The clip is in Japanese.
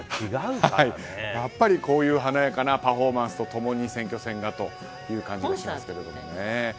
やっぱりこういう華やかなパフォーマンスと共に選挙戦がという感じがします。